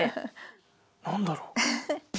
何だろう？